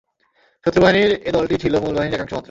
শত্রু বাহিনীর এ দলটি ছিল মূল বাহিনীর একাংশ মাত্র।